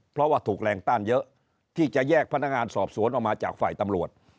เพราะว่าถูกแรงต้านเยอะที่จะแยกพนักงานสอบสวนออกมาจากฝ่ายตำรวจ